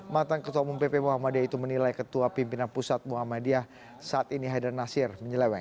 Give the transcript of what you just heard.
matang ketua umum pp muhammadiyah itu menilai ketua pimpinan pusat muhammadiyah saat ini haidar nasir menyeleweng